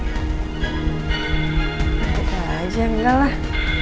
gila aja enggak lah